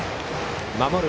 守る